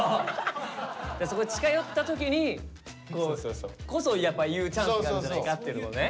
そこで近寄った時にこそやっぱ言うチャンスがあるんじゃないかっていうことね。